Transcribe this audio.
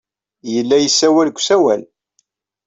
Yella yessawal deg usawal.